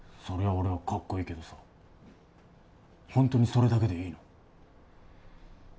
そりゃ俺はかっこいいけどさほんとにそれだけでいいの？